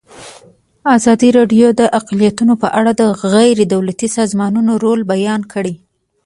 ازادي راډیو د اقلیتونه په اړه د غیر دولتي سازمانونو رول بیان کړی.